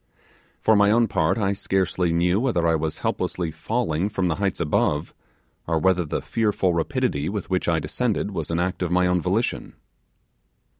For my own part, I scarcely knew whether I was helplessly falling from the heights above, or whether the fearful rapidity with which I descended was an act of my own volition.